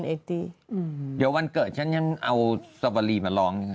เดี๋ยววันเกิดฉันยังเอาสวรีมาร้อง